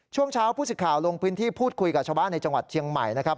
ช่วงเช้าผู้สิทธิ์ข่าวลงพื้นที่พูดคุยกับชาวบ้านในจังหวัดเชียงใหม่นะครับ